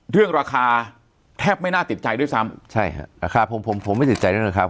เรื่องราคาแทบไม่น่าติดใจด้วยซ้ำใช่ครับราคาผมผมไม่ติดใจด้วยนะครับ